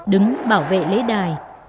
đứng bảo vệ lễ đài